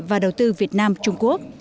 và đầu tư việt nam trung quốc